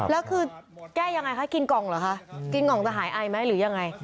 แล้วคือแก้ยังไงคะกินกล่องเหรอคะกินกล่องจะหายไอไหมหรือยังไง